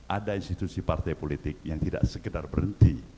ada institusi partai politik yang tidak sekedar berhenti